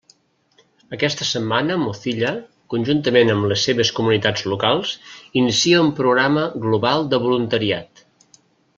Aquesta setmana Mozilla, conjuntament amb les seves comunitats locals, inicia un programa global de voluntariat.